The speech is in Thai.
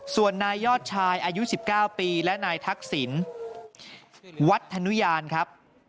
ส่วนนายยอดชายอายุ๑๙ปีและนายทักษิณวัฒนุญาณครับ